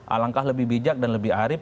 alangkah lebih bijak dan lebih arif